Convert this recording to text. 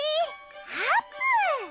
あーぷん！